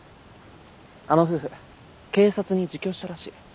あの夫婦警察に自供したらしい。